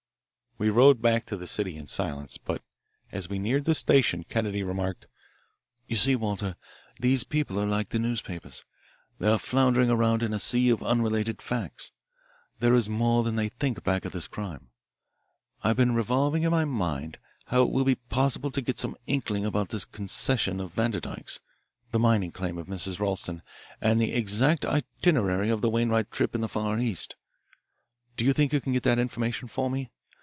We rode back to the city in silence, but as we neared the station, Kennedy remarked: "You see, Walter, these people are like the newspapers. They are floundering around in a sea of unrelated facts. There is more than they think back of this crime. I've been revolving in my mind how it will be possible to get some inkling about this concession of Vanderdyke's, the mining claim of Mrs. Ralston, and the exact itinerary of the Wainwright trip in the Far East. Do you think you can get that information for me?